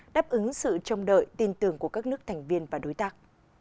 đáp ứng sự trông đợi tin tưởng của các nước thành viên và đối tác